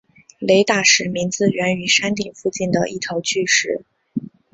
雷打石名字源于山顶附近的一头巨石。